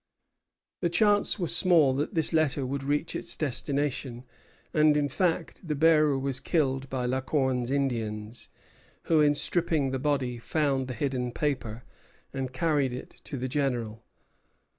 The chance was small that this letter would reach its destination; and in fact the bearer was killed by La Corne's Indians, who, in stripping the body, found the hidden paper, and carried it to the General.